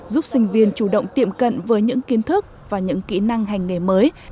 giúp sinh viên chủ động tiệm cận với những kiến thức và những kỹ năng hành nghề mới